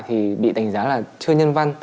thì bị đánh giá là chưa nhân văn